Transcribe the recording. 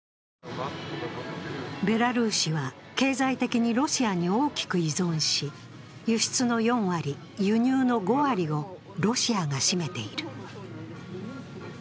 ベラルーシは、経済的にロシアに大きく依存し、輸出の４割、輸入の５割をロシアが占めている。